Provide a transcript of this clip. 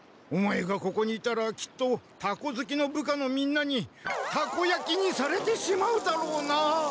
オマエがここにいたらきっとタコずきの部下のみんなにタコ焼きにされてしまうだろうなあ。